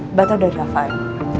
mbak tau dari rafael